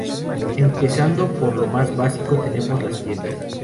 Empezando por lo más básico, tenemos las tiendas.